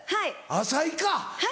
浅井か！